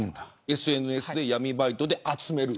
ＳＮＳで闇バイトで集める。